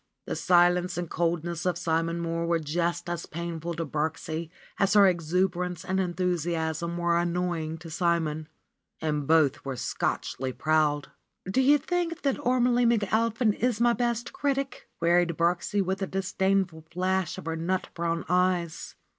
The silence and coldness of Simon Mohr were just as painful to Birksie as her exuberance and enthusiasm were annoying to Simon. And both were Scotchly proud. ^^So you think that Ormelie McAlpin is my best critic?" queried Birksie with a disdainful flash of her nut brown eyes.